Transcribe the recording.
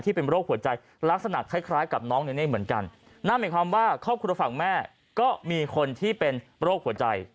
เป็นโรคหัวใจลักษณะคล้ายคล้ายกับน้องเนเน่เหมือนกันนั่นหมายความว่าครอบครัวฝั่งแม่ก็มีคนที่เป็นโรคหัวใจ